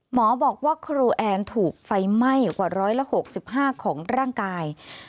หมอบอกว่าครูแอนถูกไฟไหม้กว่า๑๖๕ของร่างกาย